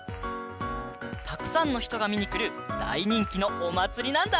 たくさんのひとがみにくるだいにんきのおまつりなんだ！